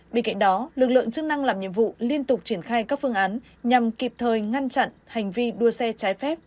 bên cạnh đó lực lượng chức năng làm nhiệm vụ liên tục triển khai các phương án nhằm kịp thời ngăn chặn hành vi đua xe trái phép